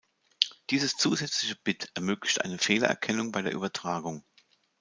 Dieses zusätzliche Bit ermöglicht eine Fehlererkennung bei der Übertragung.